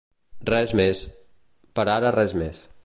Res més. Per ara res més.